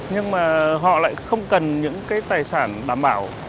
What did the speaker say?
nhưng mà họ lại không cần những cái tài sản đảm bảo